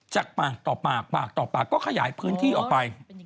จากปากต่อปากปากต่อปากก็ขยายพื้นที่ออกไป